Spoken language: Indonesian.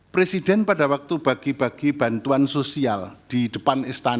presiden pada waktu bagi bagi bantuan sosial di depan istana